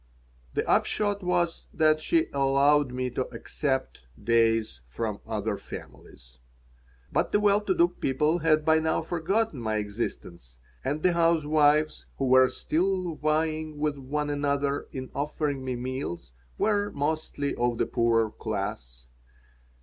The upshot was that she "allowed" me to accept "days" from other families. But the well to do people had by now forgotten my existence and the housewives who were still vying with one another in offering me meals were mostly of the poorer class.